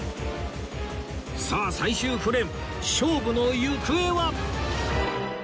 さあ最終フレーム勝負の行方は？